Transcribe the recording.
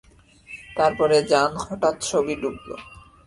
তার পরে জান হঠাৎ সবই ডুবল।